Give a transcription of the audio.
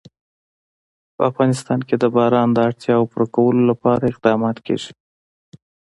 په افغانستان کې د باران د اړتیاوو پوره کولو لپاره اقدامات کېږي.